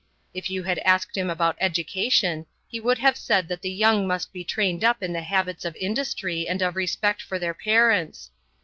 If you had asked him about education, he would have said that the young must be trained up in habits of industry and of respect for their parents.